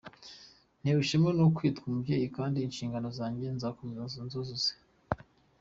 Ntewe ishema no kwitwa umubyeyi kandi inshingano zanjye nzakomeza nzuzuze”.